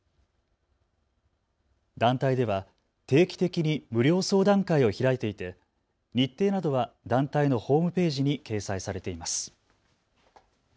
団体では定期的に無料相談会を開いていて、日程などは団体のホームページに掲載されています。